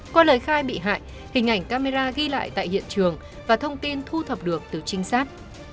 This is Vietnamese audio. qua lời khai bị hại hình ảnh camera ghi lại tại hiện trường và thông tin thu thập được từ trinh sát